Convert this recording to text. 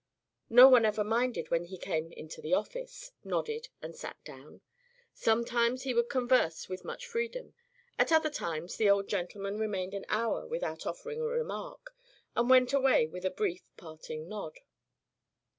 No one ever minded when he came into the office, nodded and sat down. Sometimes he would converse with much freedom; at other times the old gentleman remained an hour without offering a remark, and went away with a brief parting nod.